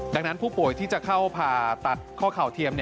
ดังนั้นผู้ป่วยที่จะเข้าผ่าตัดข้อเข่าเทียม